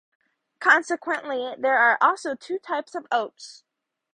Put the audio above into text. Consequently, there are also two types of oaths.